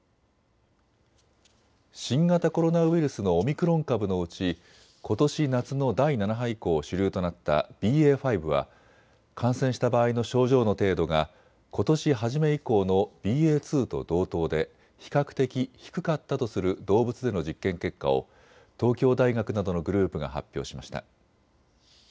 新型コロナウイルスのオミクロン株のうちことし夏の第７波以降、主流となったＢＡ．５は感染した場合の症状の程度が、ことし初め以降のＢＡ．２と同等で比較的低かったとする動物での実験結果を東京大学などのグループが発表しました。